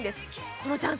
このチャンス